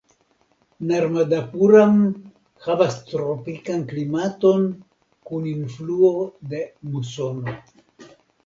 Narmadapuram havas tropikan klimaton kun influo de musono.